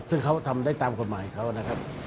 ซึ่งเขาทำได้ตามกฎหมายเขานะครับ